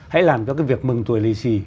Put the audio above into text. hãy làm cho cái việc mừng tuổi lì xì